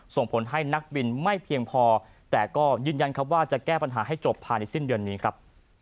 ส่งผลให้นักบินไม่เพียงพอแต่ก็ยืนยันครับว่าจะแก้ปัญหาให้จบภายในสิ้นเดือนนี้ครับ